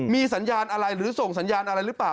มีสัญญาณอะไรหรือส่งสัญญาณอะไรหรือเปล่า